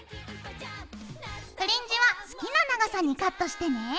フリンジは好きな長さにカットしてね。